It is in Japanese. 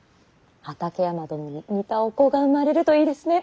畠山殿に似たお子が生まれるといいですね。